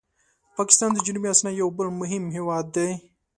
پاکستان د جنوبي آسیا یو بل مهم هېواد دی.